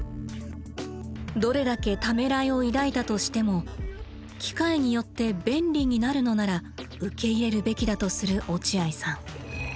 どれだけ「ためらい」を抱いたとしても機械によって「便利になる」のなら受け入れるべきだとする落合さん。